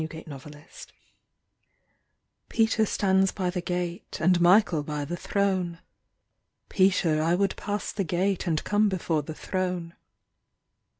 75 DOOMSDAY Peter stands by the gate, And Michael by the throne. "Peter, I would pass the gate And come before the throne."